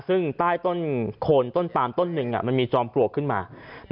ซึ่งใต้ต้นโคนต้นปามต้นหนึ่งมันมีจอมปลวกขึ้นมา